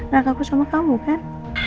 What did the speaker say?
anak aku sama kamu kan